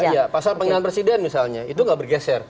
iya pasal pengingatan presiden misalnya itu tidak bergeser